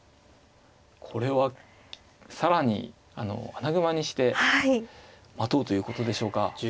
これは更に穴熊にして待とうということでしょうか。